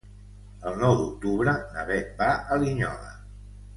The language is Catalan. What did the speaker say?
El nou d'octubre na Beth va a Linyola.